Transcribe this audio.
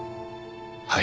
はい。